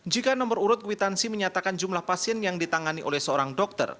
jika nomor urut kwitansi menyatakan jumlah pasien yang ditangani oleh seorang dokter